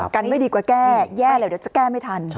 กันไม่ดีกว่าแก้แย่เลยเดี๋ยวจะแก้ไม่ทัน